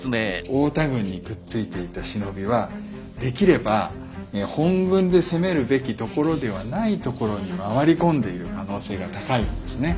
太田軍にくっついていた忍びはできれば本軍で攻めるべきところではないところに回り込んでいる可能性が高いわけですね。